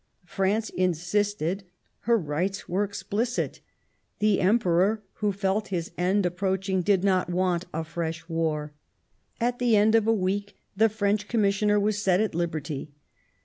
France insisted ; her rights were expHcit ; the Emperor, who felt his end approach ing, did not want a fresh war. ... At the end of a week the French Commissioner was set at liberty.